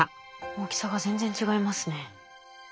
大きさが全然違いますね。